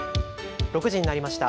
６時になりました。